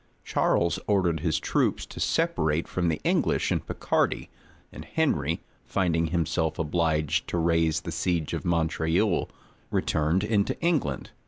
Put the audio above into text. Charles ordered his troops to separate from the English in Picardy; and Henry, finding himself obliged to raise the siege of Montreuil, returned into England.